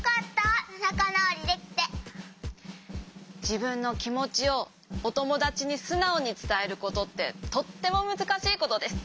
じぶんのきもちをおともだちにすなおにつたえることってとってもむずかしいことです。